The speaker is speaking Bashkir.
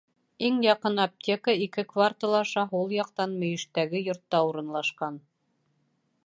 Иң яҡын аптека ике квартал аша һул яҡтан мөйөштәге йортта урынлашҡан.